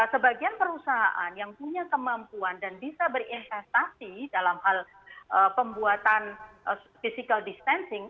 sebagian perusahaan yang punya kemampuan dan bisa berinvestasi dalam hal pembuatan physical distancing